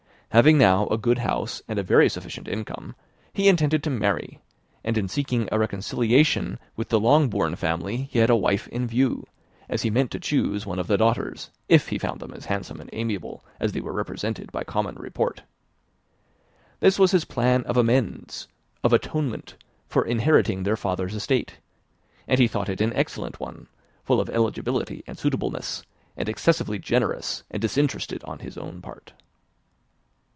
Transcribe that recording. Having now a good house and a very sufficient income, he intended to marry; and in seeking a reconciliation with the Longbourn family he had a wife in view, as he meant to choose one of the daughters, if he found them as handsome and amiable as they were represented by common report. This was his plan of amends of atonement for inheriting their father's estate; and he thought it an excellent one, full of eligibility and suitableness, and excessively generous and disinterested on his own part.